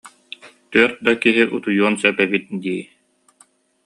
Түөрт да киһи утуйуон сөп эбит дии